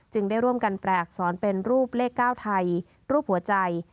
ได้ร่วมกันแปลอักษรเป็นรูปเลข๙ไทยรูปหัวใจ